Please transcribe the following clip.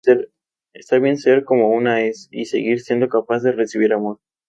Está bien ser como una es y seguir siendo capaz de recibir amor.